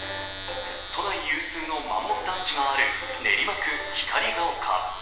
都内有数のマンモス団地がある練馬区光が丘。